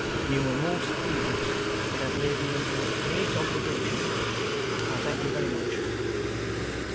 You were most prudent, and have laid me under a great obligation. I thank you very much.